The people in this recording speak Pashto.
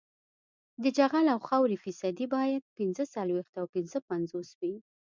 د جغل او خاورې فیصدي باید پینځه څلویښت او پنځه پنځوس وي